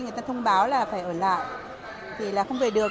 người ta thông báo là phải ở lại thì là không về được